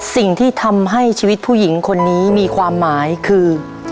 สิ่งที่ทำให้ชีวิตผู้หญิงคนนี้มีความหมายคือ